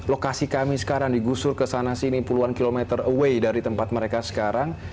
lokasi kami sekarang digusur ke sana sini puluhan kilometer away dari tempat mereka sekarang